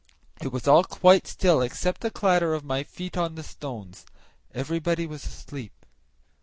It was all quite still except the clatter of my feet on the stones everybody was asleep.